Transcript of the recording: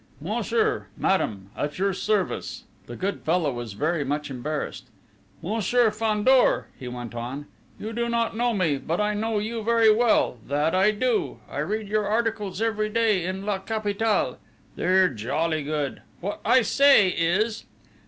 "Monsieur!... Madame!... At your service!" The good fellow was very much embarrassed: "Monsieur Fandor," he went on, "you do not know me, but I know you very well, that I do!... I read your articles every day in La Capitale. They're jolly good! What I say is